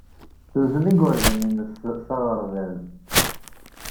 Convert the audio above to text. Tuzen igerdan-nnes s aɣerbaz.